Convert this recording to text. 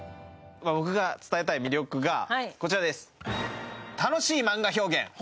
僕が伝えたい魅力がこちらです。